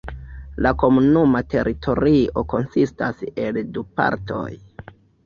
La komunuma teritorio konsistas el du partoj.